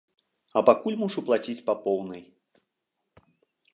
А пакуль мушу плаціць па поўнай.